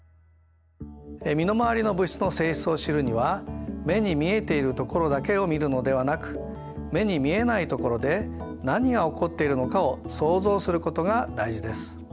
身の回りの物質の性質を知るには目に見えているところだけを見るのではなく目に見えないところで何が起こっているのかを想像することが大事です。